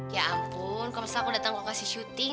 ya ampun kok misal aku datang lokasi syuting